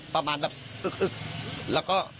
ประมาณแบบอึกแล้วก็